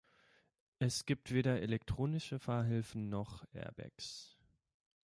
Es gibt weder elektronische Fahrhilfen noch Airbags.